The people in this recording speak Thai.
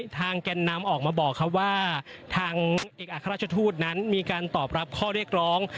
แก่นนำออกมาบอกครับว่าทางเอกอัครราชทูตนั้นมีการตอบรับข้อเรียกร้อง